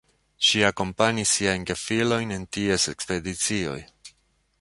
Ŝi akompanis siajn gefilojn en ties ekspedicioj.